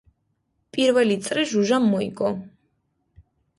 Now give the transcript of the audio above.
პირველი წრე ჟუჟამ მოიგო.